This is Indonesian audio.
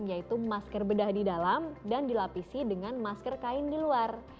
yaitu masker bedah di dalam dan dilapisi dengan masker kain di luar